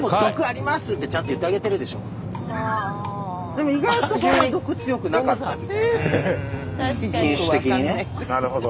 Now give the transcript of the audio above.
でも意外とそんなに毒強くなかったり。